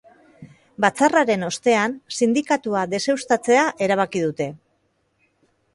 Batzarraren ostean, sindikatua deseuztatzea erabaki dute.